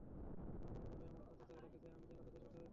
আমাকে বলা হয়, আমার কথা তারা রেখেছে, আমি যেন তাদের কথা রাখি।